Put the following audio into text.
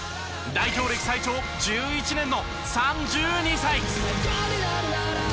代表歴最長１１年の３２歳。